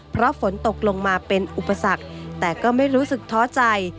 เพราะฝนตกลงมาเป็นอุปสรรคแต่ก็ไม่รู้สึกท้อใจ